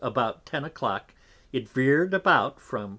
about 10 a Clock it veer'd about from W.